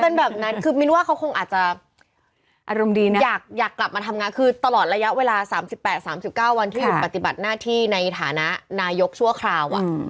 เป็นแบบนั้นคือมินว่าเขาคงอาจจะอารมณ์ดีนะอยากกลับมาทำงานคือตลอดระยะเวลา๓๘๓๙วันที่หยุดปฏิบัติหน้าที่ในฐานะนายกชั่วคราว